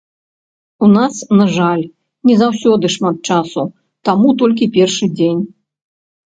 У нас, на жаль, не заўсёды шмат часу, таму толькі першы дзень.